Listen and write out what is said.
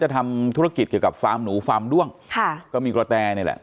ทำธุรกิจเกี่ยวกับฟาร์มหนูฟาร์มด้วงค่ะก็มีกระแตนี่แหละ